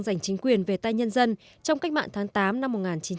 giành chính quyền về tay nhân dân trong cách mạng tháng tám năm một nghìn chín trăm bốn mươi năm